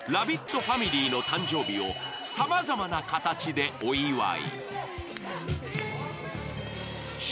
ファミリーの誕生日をさまざまな形でお祝い。